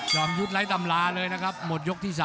ยุทธ์ไร้ตำราเลยนะครับหมดยกที่๓